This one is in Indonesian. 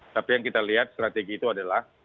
tapi yang kita lihat strategi itu adalah